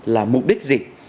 là mục đích gì